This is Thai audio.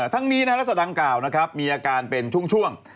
ทั้งนี้รัศดังกล่าวมีอาการเป็นช่วง